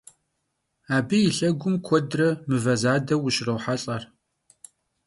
Abı yi lhegum kuedre mıve zade vuşrohelh'e.